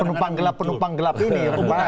penumpang gelap penumpang gelap ini